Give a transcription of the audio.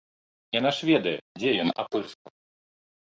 Яна ж ведае, дзе ён апырскаў.